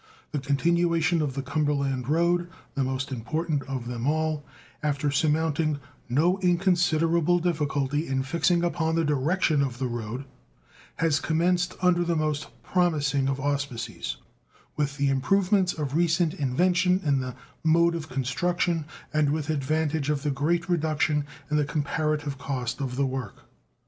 The continuation of the Cumberland road, the most important of them all, after surmounting no inconsiderable difficulty in fixing upon the direction of the road, has commenced under the most promising of auspices, with the improvements of recent invention in the mode of construction, and with advantage of a great reduction in the comparative cost of the work.